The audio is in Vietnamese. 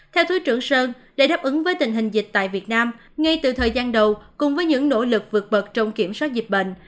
theo thứ trưởng sơn để đáp ứng với tình hình dịch tại việt nam ngay từ thời gian đầu cùng với những nỗ lực vượt bật trong kiểm soát dịch bệnh